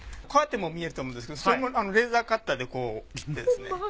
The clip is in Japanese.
カーテンも見えると思うんですけどそれもレーザーカッターで切ってですね。